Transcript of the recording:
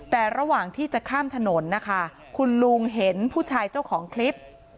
แต่ระหว่างที่จะข้ามถนนนะคะคุณลุงเห็นผู้ชายเจ้าของคลิป